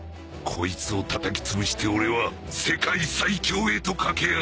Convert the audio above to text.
こいつをたたきつぶして俺は世界最強へと駆け上がる！